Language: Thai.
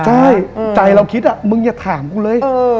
ใช่ใจเราคิดมึงอย่าถามกูเลย